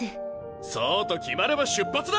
そうと決まれば出発だ！